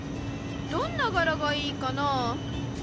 どんな柄がいいかな？